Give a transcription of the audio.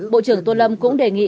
bộ trưởng tô lâm cũng đề nghị